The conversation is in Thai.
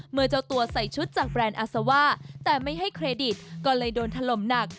เมื่อเจ้าตัวใส่ชุดจากแบรนด์อาซาว่าแต่ไม่ให้เครดิตก็เลยโดนถล่มหนัก